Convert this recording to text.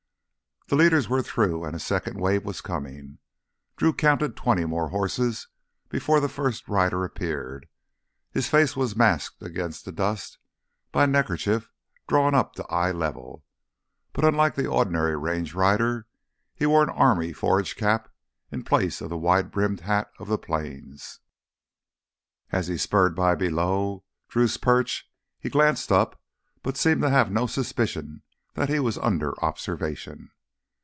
The leaders were through and a second wave was coming. Drew counted twenty more horses before the first rider appeared. His face was masked against the dust by a neckerchief drawn up to eye level. But, unlike the ordinary range rider, he wore an army forage cap in place of the wide brimmed hat of the plains. As he spurred by below Drew's perch he glanced up but seemed to have no suspicion that he was under observation.